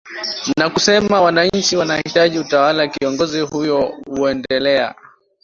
na kusema wananchi wanahitaji utawala kiongozi huyo uendelea